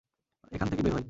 এখান থেকে বের হই।